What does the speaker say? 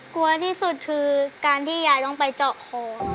กลัวที่สุดคือการที่ยายต้องไปเจาะคอ